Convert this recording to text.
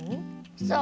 そう。